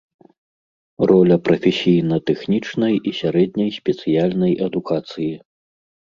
Роля прафесійна-тэхнічнай і сярэдняй спецыяльнай адукацыі.